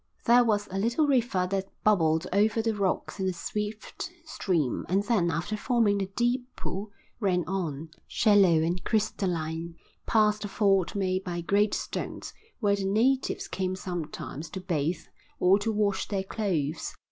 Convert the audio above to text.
There was a little river that bubbled over the rocks in a swift stream, and then, after forming the deep pool, ran on, shallow and crystalline, past a ford made by great stones where the natives came sometimes to bathe or to wash their clothes.